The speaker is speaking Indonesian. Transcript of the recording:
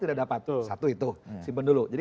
tidak dapat satu itu simpen dulu jadi